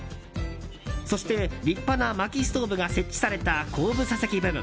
そして立派なまきストーブが設置された後部座席部分。